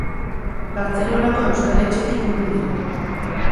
Bartzelonako Euskal Etxetik hurbil dago